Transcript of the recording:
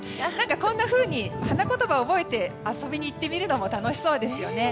こんなふうに花言葉を覚えて遊びに行ってみるのも楽しそうですよね。